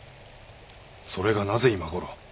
それがなぜ今ごろ。